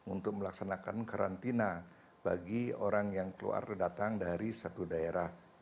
untuk melaksanakan karantina bagi orang yang keluar datang dari satu daerah